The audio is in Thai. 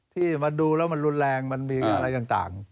ที่มาดูแล้วมันรุนแรงมันมีอะไรต่าง